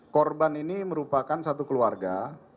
korban ini merupakan satu keluarga